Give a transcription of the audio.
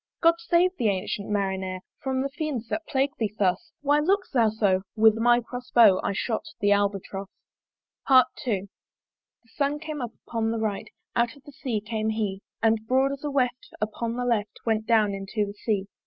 "God save thee, ancyent Marinere! "From the fiends that plague thee thus "Why look'st thou so?" with my cross bow I shot the Albatross. II. The Sun came up upon the right, Out of the Sea came he; And broad as a weft upon the left Went down into the Sea.